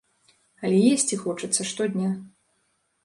Але есці хочацца штодня.